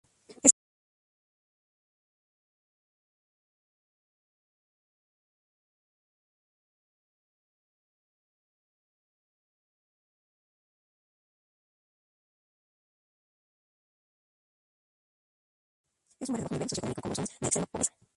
Es un barrio de bajo nivel socioeconómico, con bolsones de extrema pobreza.